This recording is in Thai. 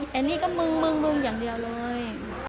แต่นี่ก็เมื่องเมื่องเมื่องอย่างเดียวเลย